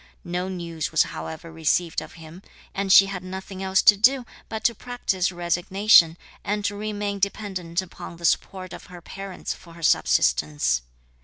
No news was however received of him, and she had nothing else to do but to practise resignation, and to remain dependent upon the support of her parents for her subsistence.